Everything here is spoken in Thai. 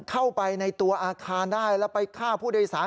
เข้าไปในตัวอาคารได้แล้วไปฆ่าผู้โดยสาร